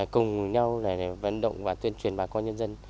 cùng nhau để vận động và tuyên truyền bà con nhân dân